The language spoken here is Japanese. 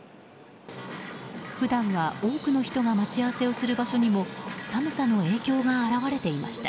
普段は多くの人が待ち合わせをする場所にも寒さの影響が表れていました。